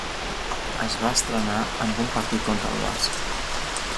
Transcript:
Es va estrenar amb un partit contra el Barça.